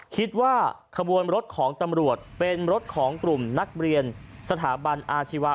คิดว่าขบวนรถของตำรวจเป็นรถของกลุ่มนักเรียนสถาบันอาชีวะ